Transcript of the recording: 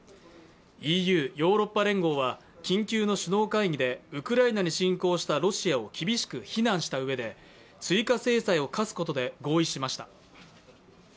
ＥＵ＝ヨーロッパ連合は緊急の首脳会議でウクライナに侵攻したロシアを厳しく非難したうえで追加制裁を科すことで合意しました。